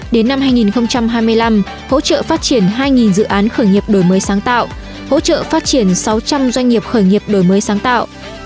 đến năm hai nghìn hai mươi năm hỗ trợ phát triển hai dự án khởi nghiệp đổi mới sáng tạo hỗ trợ phát triển sáu trăm linh doanh nghiệp khởi nghiệp đổi mới sáng tạo